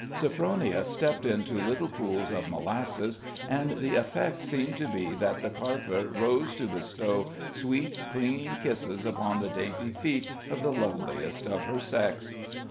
Sophronia stepped into little pools of molasses, and the effect seemed to be that the carpet rose to bestow sweet clinging kisses upon the dainty feet of the loveliest of her sex.